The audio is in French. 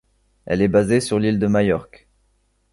Elle est basée sur l'île de Majorque.